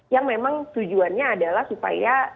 yang memang tujuannya adalah supaya